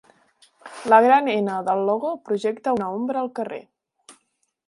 La gran "N" del logo projecta una ombra al carrer.